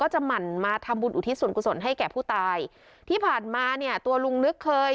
หมั่นมาทำบุญอุทิศส่วนกุศลให้แก่ผู้ตายที่ผ่านมาเนี่ยตัวลุงนึกเคย